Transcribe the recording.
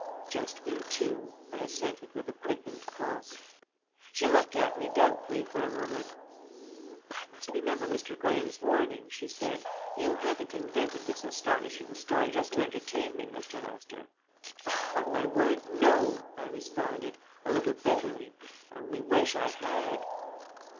"Just we two!" I assented with a quickened pulse. She looked at me doubtfully for a moment. "I must remember Mr. Graham's warning," she said. "You haven't invented this astonishing story just to entertain me, Mr. Lester?" "On my word, no," I responded, a little bitterly. "I only wish I had!"